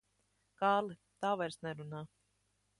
Kārli, tā vairs nerunā.